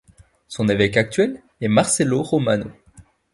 Son évêque actuel est Marcello Romano.